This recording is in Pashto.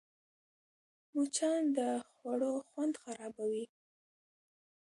مچان د خوړو خوند خرابوي